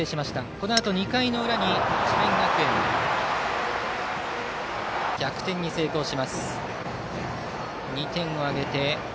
このあと２回の裏に智弁学園、逆転に成功します。